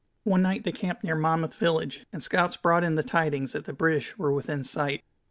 One night they camped near Monmouth village, and scouts brought in the tidings that the British were within sight.